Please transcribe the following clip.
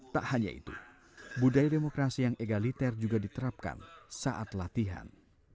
tak hanya itu budaya demokrasi yang egaliter juga diterapkan saat latihan